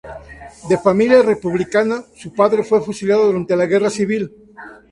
De familia republicana, su padre fue fusilado durante la guerra civil.